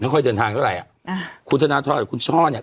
ค่อยเดินทางเท่าไหร่อ่ะอ่าคุณธนทรกับคุณช่อเนี้ย